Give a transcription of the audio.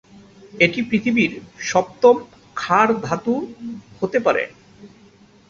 এটি পৃথিবীর সপ্তম ক্ষার ধাতু হতে পারে।